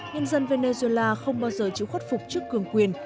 nhân dân venezuela không bao giờ chịu khuất phục trước cường quyền